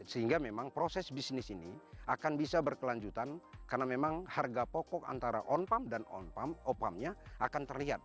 sehingga memang proses bisnis ini akan bisa berkelanjutan karena memang harga pokok antara on pump dan opamnya akan terlihat